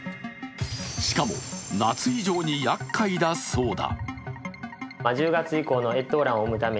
しかも夏以上にやっかいだそうだ。